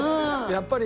やっぱり